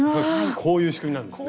こういう仕組みなんですね。